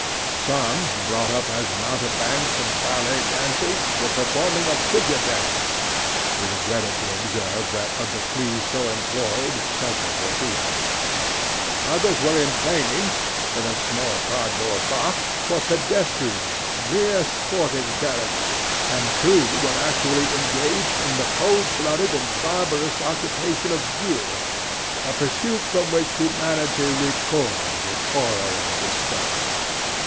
Some, brought up as mountebanks and ballet dancers, were performing a figure dance (he regretted to observe, that, of the fleas so employed, several were females); others were in training, in a small card board box, for pedestrians,—mere sporting characters—and two were actually engaged in the cold blooded and barbarous occupation of duelling; a pursuit from which humanity recoiled with horror and disgust.